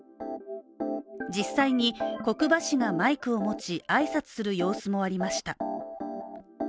実際に國場氏がマイクを持ち挨拶する様子もありました。